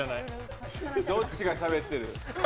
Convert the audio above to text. どっちがしゃべってる？